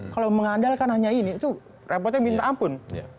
kalau mengandalkan hanya ini itu repotnya minta ampun